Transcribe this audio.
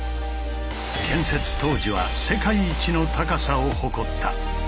建設当時は世界一の高さを誇った。